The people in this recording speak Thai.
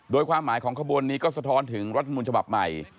โดยความหมายของขบวนนี้ก็สะท้อนถึงรัฐมนต์ฉบับใหม่